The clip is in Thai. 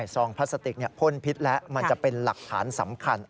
ซองพลาสติกพ่นพิษแล้วมันจะเป็นหลักฐานสำคัญ